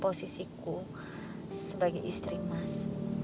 posisiku sebagai istri mas